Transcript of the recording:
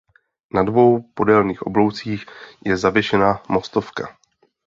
Na dvou podélných obloucích je zavěšena mostovka.